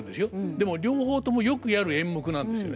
でも両方ともよくやる演目なんですよね。